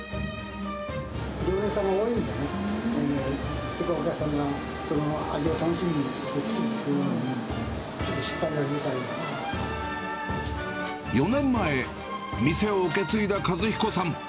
常連さんが多いんでね、お客さんがその味を楽しみにして来てくれるのに、失敗は許されな４年前、店を受け継いだ和彦さん。